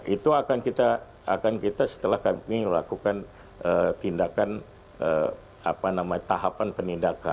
itu akan kita akan kita setelah kami lakukan tindakan apa namanya tahapan penindakan